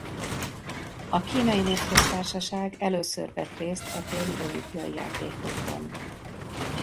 A Kínai Népköztársaság először vett részt a téli olimpiai játékokon.